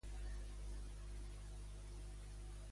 En què no coincideixen, per exemple?